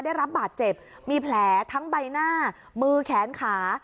ได้รับบาดเจ็บมีแผลทั้งใบหน้ามือแขนขา